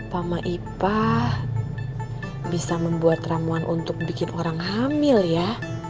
pama ipa bisa membuat ramuan untuk bikin orang hamil ya